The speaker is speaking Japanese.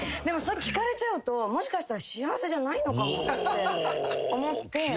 でもそれ聞かれちゃうともしかしたら幸せじゃないのかもって思って。